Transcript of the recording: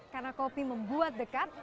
karena kopi membuat dekat